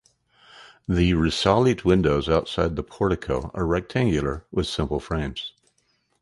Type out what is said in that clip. The risalit windows outside the portico are rectangular with simple frames.